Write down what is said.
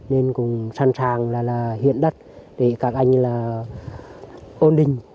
nên cũng sẵn sàng là hiện đất để các anh là ổn định